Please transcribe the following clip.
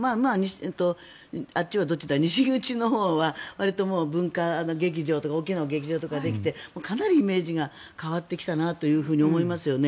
西口のほうはわりと文化劇場とか大きな劇場とかができてかなりイメージが変わってきたなと思いますよね。